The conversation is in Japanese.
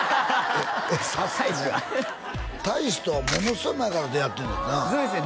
大志は大志とはものすごい前から出会ってんねんなそうですね